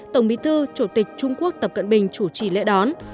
tổng bí thư chủ tịch trung quốc tập cận bình chủ trì lễ đón